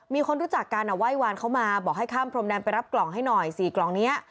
มีคนรู้จักกันไหว้วานเขามาบอกให้ข้ามพรมแดนไปรับกล่องให้หน่อย๔กล่องนี้